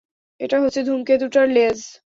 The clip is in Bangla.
এটা হচ্ছে ধূমকেতুটার লেজ!